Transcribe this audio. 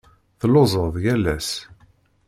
Telluẓeḍ yal ass.